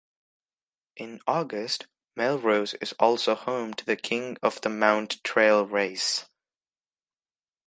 In August, Melrose is also home to the King of the Mount trail race.